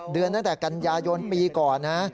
เดือนตั้งแต่กันยายนปีก่อนนะ